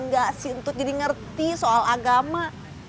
paling gak si antut jadi ngerti soal agama